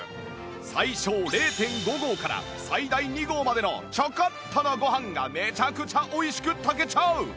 最少 ０．５ 合から最大２合までのちょこっとのご飯がめちゃくちゃ美味しく炊けちゃう！